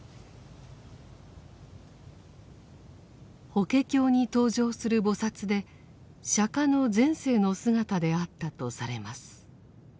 法華経に登場する菩薩で釈の前世の姿であったとされます。